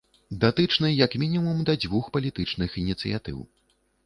Датычны як мінімум да дзвюх палітычных ініцыятыў.